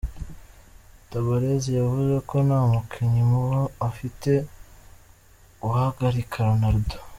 Tabarez yavuze ko nta mukinnyi mubo afite wahagarika Ronaldo.